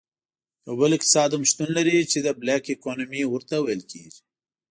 یو بل اقتصاد هم شتون ولري چې Black Economy ورته ویل کیږي.